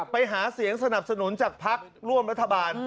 ไปหาเสียงสนับสนุนจากพักร่วมรัฐบาล